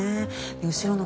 後ろの